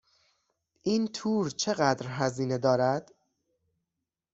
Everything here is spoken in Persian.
این تور چقدر هزینه دارد؟